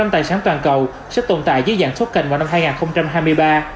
một mươi tài sản toàn cầu sẽ tồn tại dưới dạng token vào năm hai nghìn hai mươi ba